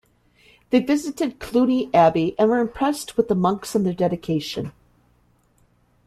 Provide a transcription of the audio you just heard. They visited Cluny Abbey and were impressed with the monks and their dedication.